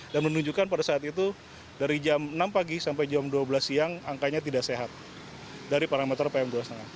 dan menunjukkan pada saat itu dari jam enam pagi sampai jam dua belas siang angkanya tidak sehat dari parameter pm dua lima